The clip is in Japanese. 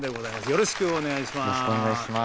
よろしくお願いします。